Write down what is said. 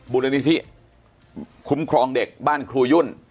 มูลนิธิคุ้มครองเด็กบ้านครูยุ่น